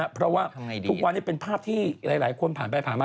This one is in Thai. เพราะว่าทุกวันนี้เป็นภาพที่หลายคนผ่านไปผ่านมา